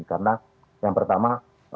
karena yang pertama